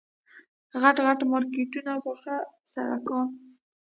غټ غټ مارکېټونه پاخه سړکان.